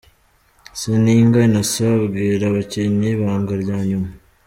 Seninga Innocent abwira abakinnyi ibanga rya nyuma.